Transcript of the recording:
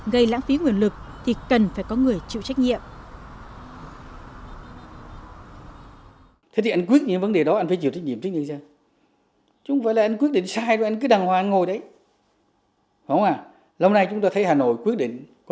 gây lãng phí nguồn lực thì cần phải có người chịu trách nhiệm